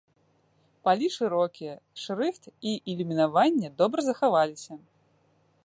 Палі шырокія, шрыфт і ілюмінаванне добра захаваліся.